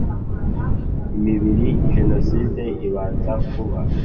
imibiri jenoside ibanza kuba